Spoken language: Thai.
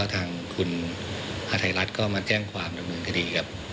ทางคุณฮาไทยรัฐก็มาแจ้งความดำเนินคดีกับ